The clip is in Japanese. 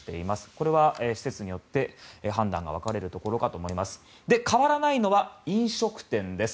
これは施設によって判断が分かれるところかと思います。